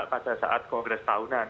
pada saat kongres tahunan